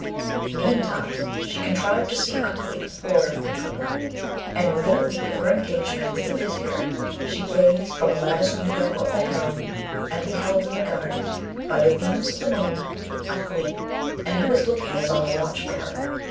Meantime she contrived to see Ukleet the porter frequently, and within a week of her engagement with the Vizier she gazed from a lattice window of the harem, and beheld in the garden, by the beams of the moon, Ukleet, and he was looking as on the watch for her.